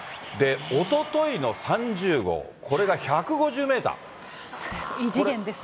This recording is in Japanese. おとといの３０号、異次元ですね。